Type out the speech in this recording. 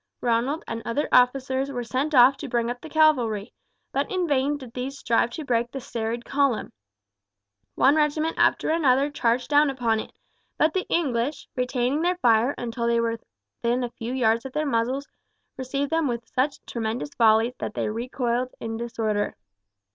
Ronald and other officers were sent off to bring up the cavalry, but in vain did these strive to break the serried column. One regiment after another charged down upon it, but the English, retaining their fire until they were within a few yards of their muzzles, received them with such tremendous volleys that they recoiled in disorder.